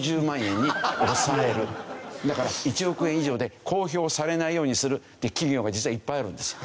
だから１億円以上で公表されないようにするって企業が実はいっぱいあるんですよ。